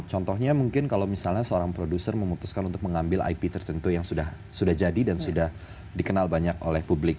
contohnya mungkin kalau misalnya seorang produser memutuskan untuk mengambil ip tertentu yang sudah jadi dan sudah dikenal banyak oleh publik